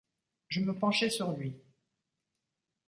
Je me penchai sur lui.